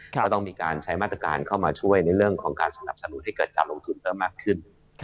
ก็ต้องมีการใช้มาตรการเข้ามาช่วยในเรื่องของการสนับสนุนให้เกิดการลงทุนเพิ่มมากขึ้น